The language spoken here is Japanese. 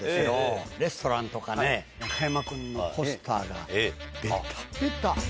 レストランとかね中山君のポスターがベタベタ。